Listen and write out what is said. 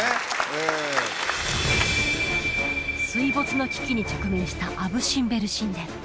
ええ水没の危機に直面したアブ・シンベル神殿